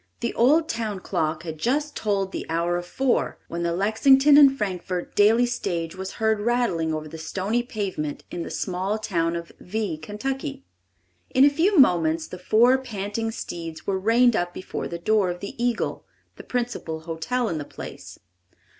The old town clock had just tolled the hour of four, when the Lexington and Frankfort daily stage was heard rattling over the stony pavement in the small town of V——, Kentucky. In a few moments the four panting steeds were reined up before the door of The Eagle, the principal hotel in the place.